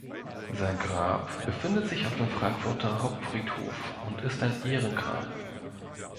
Sein Grab befindet sich auf dem Frankfurter Hauptfriedhof und ist ein Ehrengrab.